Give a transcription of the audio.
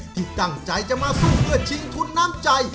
ที่ตั้งใจจะมาสู้เพื่อชิงทุนน้ำใจ